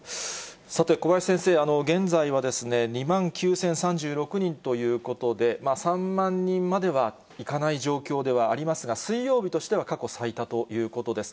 さて、小林先生、現在は２万９０３６人ということで、３万人まではいかない状況ではありますが、水曜日としては過去最多ということです。